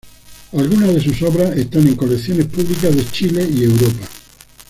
Algunas de sus obras están en colecciones públicas de Chile y Europa.